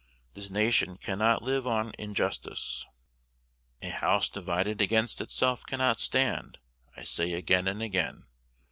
This nation cannot live on injustice, "a house divided against itself cannot stand," I say again and again.'